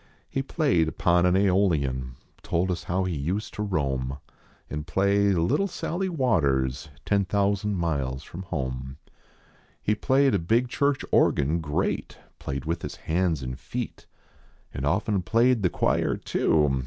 He played upon an Aeolian, Told us how he used to roam An play " Little Sally Waters" Ten thousand miles from home. He played a big church organ great, 1 lavt d with his hands and feet, TJ/J : (>/. I) Ml .S7C 7. 7.V.V /.///; And often played the choir, too.